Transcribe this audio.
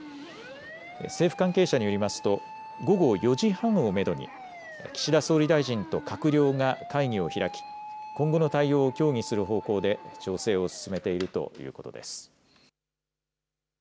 政府関係者によりますと午後４時半をめどに岸田総理大臣と閣僚が会議を開き今後の対応を協議する方向で調整を進めているということです。